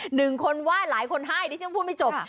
หนึ่งคนไหว้หลายคนให้ดิฉันพูดไม่จบ